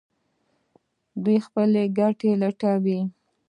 دوی خپله ګټه لټوي.